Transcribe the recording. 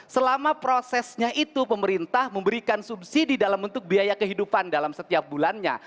selama prosesnya itu pemerintah memberikan subsidi dalam bentuk biaya kehidupan dalam setiap bulannya